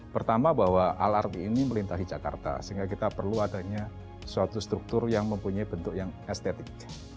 pertama bahwa lrt ini melintasi jakarta sehingga kita perlu adanya suatu struktur yang mempunyai bentuk yang estetik